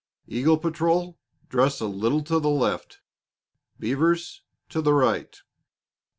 Eagle patrol, dress a little to the left; Beavers to the right.